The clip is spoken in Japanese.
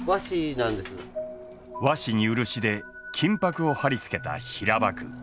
和紙に漆で金箔を貼り付けた平箔。